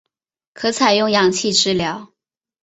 可采用氧气治疗。